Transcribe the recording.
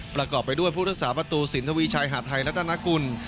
ประกอบไปด้วยผู้รักษาประตูสินทวีชัยหาดไทยรัฐนากุล